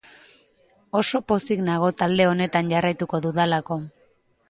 Oso pozik nago talde honetan jarraituko dudalako.